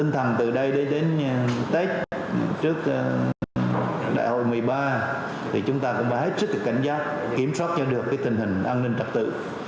trước đại hội một mươi ba chúng ta cũng phải hết sức được cảnh giác kiểm soát cho được tình hình an ninh trật tự